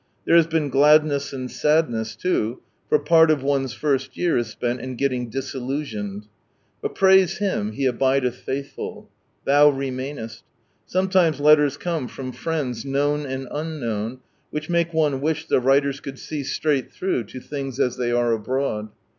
There has been gladness and sadness too, for part of one's first year is spent in getting disillusioned. But praise Him, He abldeth faithful. Thou remalnest I Sometimes letters come from friends known and unknown, which make one wish the writers could see straight through to things as they are abroad.